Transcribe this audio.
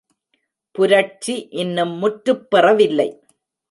புரட்சி இன்னும் முற்று பெறவில்லை.